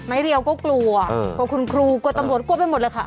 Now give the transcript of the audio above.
เรียวก็กลัวกลัวคุณครูกลัวตำรวจกลัวไปหมดเลยค่ะ